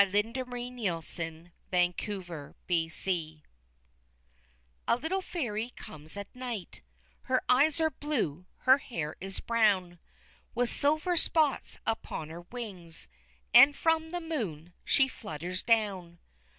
Jean Macé (Adapted) QUEEN MAB A little Fairy comes at night; Her eyes are blue, her hair is brown, With silver spots upon her wings, And from the moon she flutters down.